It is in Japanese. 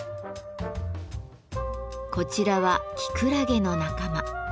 こちらはキクラゲの仲間。